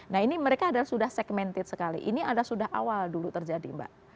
nah ini mereka sudah segmented sekali ini sudah awal dulu terjadi mbak